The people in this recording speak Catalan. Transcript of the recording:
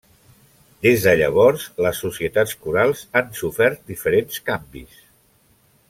Des de llavors, les societats corals han sofert diferents canvis.